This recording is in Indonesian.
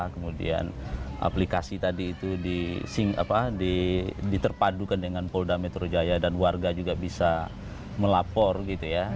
kemudian aplikasi tadi itu diterpadukan dengan polda metro jaya dan warga juga bisa melapor gitu ya